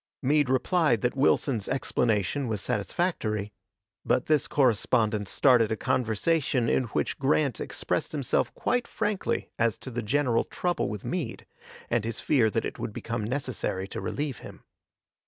Meade replied that Wilson's explanation was satisfactory; but this correspondence started a conversation in which Grant expressed himself quite frankly as to the general trouble with Meade, and his fear that it would become necessary to relieve him.